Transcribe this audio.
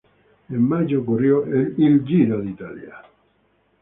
En mayo corrió el Giro de Italia.